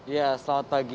ya selamat pagi